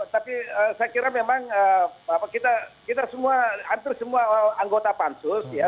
tapi saya kira memang kita semua hampir semua anggota pansus ya